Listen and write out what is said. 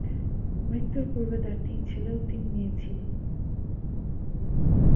মৃত্যুর পূর্বে তার তিন ছেলে ও তিন মেয়ে ছিল।